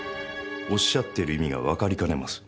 おっしゃってる意味がわかりかねます。